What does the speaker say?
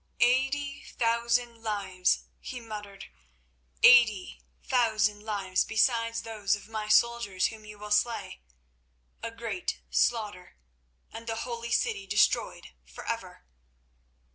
"Eighty thousand lives," he muttered; "eighty thousand lives, besides those of my soldiers whom you will slay. A great slaughter—and the holy city destroyed forever.